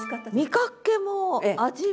見かけも味も。